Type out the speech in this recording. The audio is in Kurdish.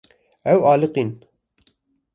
Ew aliqîn.